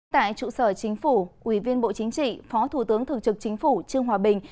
tại trụ sở chính phủ ủy viên bộ chính trị phó thủ tướng thường trực chính phủ trương hòa bình